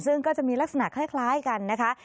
ซึ่งก็จะมีลักษณะคล้ายกันนะคะ